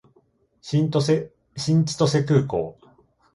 新千歳空港